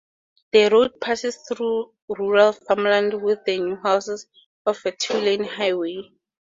The road passes through rural farmland with a few houses as a two-lane highway.